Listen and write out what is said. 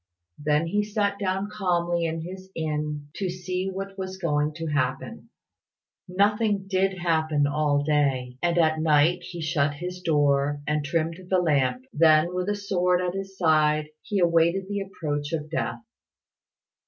Then he sat down calmly in his inn to see what was going to happen. Nothing did happen all day, and at night he shut his door and trimmed the lamp; then, with a sword at his side, he awaited the approach of death.